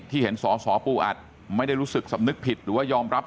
เห็นสอสอปูอัดไม่ได้รู้สึกสำนึกผิดหรือว่ายอมรับ